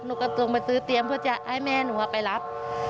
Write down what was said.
หนูก็ตรงไปซื้อเตรียมเพื่อจะให้แม่หนูไปรับ